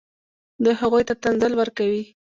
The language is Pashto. دوی هغوی ته تنزل ورکوي.